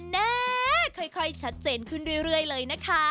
แน่ค่อยชัดเจนขึ้นเรื่อยเลยนะคะ